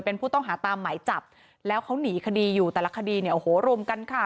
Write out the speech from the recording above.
เป็นผู้ต้องหาตามหมายจับแล้วเขาหนีคดีอยู่แต่ละคดีเนี่ยโอ้โหรวมกันค่ะ